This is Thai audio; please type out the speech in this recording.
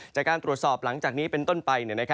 จากการตรวจสอบหลังจากนี้เป็นต้นไป